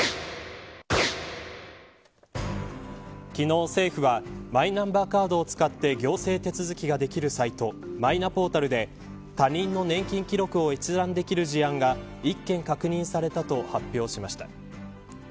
昨日、政府はマイナンバーカードを使って行政手続きができるサイトマイナポータルで他人の年金記録を閲覧できる事案が１件確認されたと発表しました。